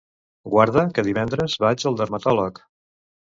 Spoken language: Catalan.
Guarda que divendres vaig al dermatòleg.